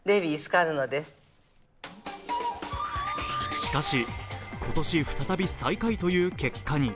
しかし今年、再び最下位という結果に。